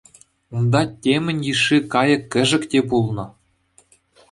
Унта темӗн йышши кайӑк-кӗшӗк те пулнӑ.